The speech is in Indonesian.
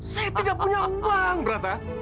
saya tidak punya uang berapa